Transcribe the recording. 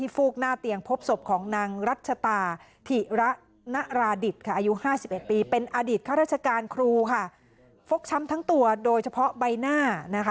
ฟกช้ำทั้งตัวโดยเฉพาะใบหน้า